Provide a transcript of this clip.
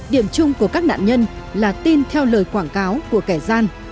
điểm chung của các nạn nhân là tin theo lời quảng cáo của kẻ gian